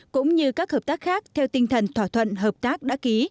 cũng như các hợp tác khác theo tinh thần thỏa thuận hợp tác đã ký